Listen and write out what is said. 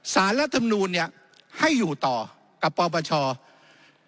สารรัฐมนูลให้อยู่ต่อกับปประชา